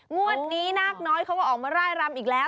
งวดนี้นาคน้อยเขาก็ออกมาร่ายรำอีกแล้ว